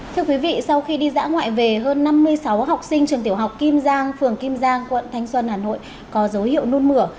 thưa quý vị sau khi đi dã ngoại về hơn năm mươi sáu học sinh trường tiểu học kim giang phường kim giang quận thanh xuân hà nội có dấu hiệu nun mửa